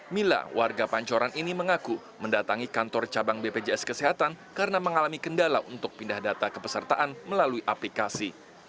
mila warga pancoran ini mengaku mendatangi kantor cabang bpjs kesehatan karena mengalami kendala untuk pindah data kepesertaan melalui aplikasi